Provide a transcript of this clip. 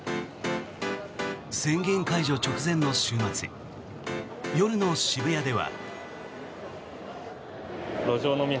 宣言解除直前の週末夜の渋谷では。